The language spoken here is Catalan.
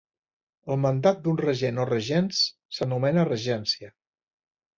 El mandat d'un regent o regents s'anomena regència.